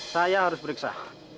saya harus beriksa